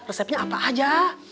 resepnya apa aja